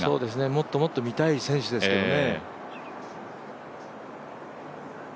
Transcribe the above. もっともっと見たいですよね。